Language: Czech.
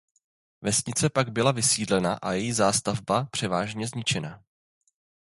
Vesnice pak byla vysídlena a její zástavba převážně zničena.